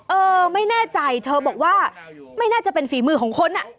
เออไม่แน่ใจเธอบอกว่าไม่น่าจะเป็นฝีมือของคนอ่ะ